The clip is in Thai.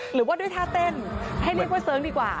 หรือว่าด้วยท่าเต้นให้เรียกว่าเสิร์งดีกว่า